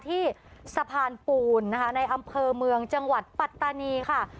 ที่สะพานปูนนะคะในอำเภอเมืองจังหวัดปัตตานีค่ะ